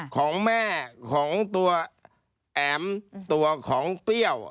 ของแม่ของตัวแอ๋มตัวของเปรี้ยว